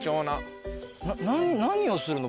何をするの？